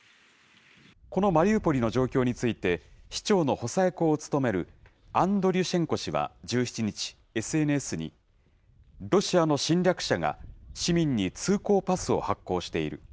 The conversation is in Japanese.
このマリウポリの状況について、市長の補佐役を務めるアンドリュシェンコ氏は１７日、ＳＮＳにロシアの侵略者が市民に通行パスを発行している。